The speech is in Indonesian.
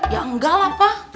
ya enggak lah pak